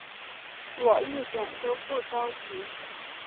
我一点都不着急